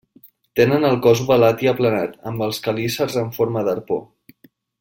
Tenen el cos ovalat i aplanat amb quelícers en forma d'arpó.